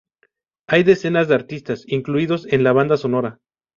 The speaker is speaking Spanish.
Hay docenas de artistas incluidos en la banda sonora.